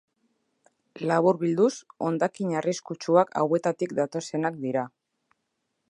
Laburbilduz, hondakin arriskutsuak hauetatik datozenak dira.